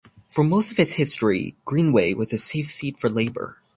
For most of its history, Greenway was a safe seat for Labor.